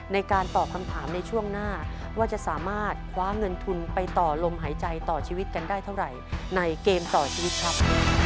ในการตอบคำถามในช่วงหน้าว่าจะสามารถคว้าเงินทุนไปต่อลมหายใจต่อชีวิตกันได้เท่าไหร่ในเกมต่อชีวิตครับ